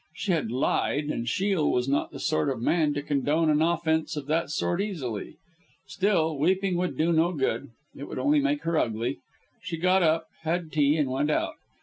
She had lied, and Shiel was not the sort of man to condone an offence of that sort easily. Still, weeping would do no good; it would only make her ugly. She got up, had tea, and went out.